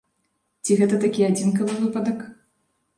Ці гэта такі адзінкавы выпадак?